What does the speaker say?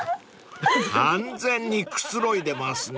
［完全にくつろいでますね］